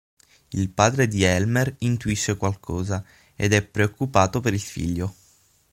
Il padre di Elmer intuisce qualcosa ed è preoccupato per il figlio...